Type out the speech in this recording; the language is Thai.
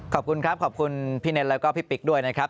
ขอบคุณครับขอบคุณพี่เน็ตแล้วก็พี่ปิ๊กด้วยนะครับ